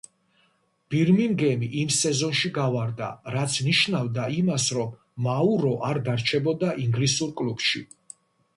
ბირმინგემი იმ სეზონში გავარდა, რაც ნიშნავდა იმას რომ მაურო არ დარჩებოდა ინგლისურ კლუბში.